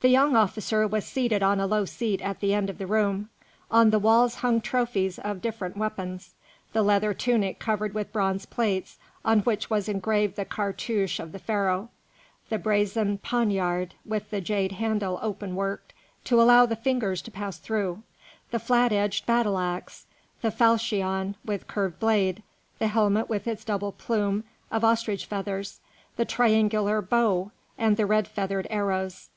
The young officer was seated on a low seat at the end of the room. On the walls hung trophies of different weapons: the leather tunic covered with bronze plates on which was engraved the cartouche of the Pharaoh; the brazen poniard, with the jade handle open worked to allow the fingers to pass through; the flat edged battle axe, the falchion with curved blade; the helmet with its double plume of ostrich feathers; the triangular bow; and the red feathered arrows.